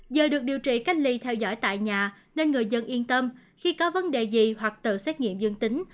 giờ được điều trị cách ly theo dõi tại nhà nên người dân yên tâm khi có vấn đề gì hoặc tự xét nghiệm dương tính